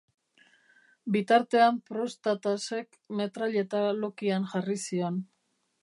Bitartean Prostatasek metraileta lokian jarri zion.